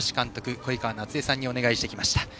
鯉川なつえさんにお願いしてきました。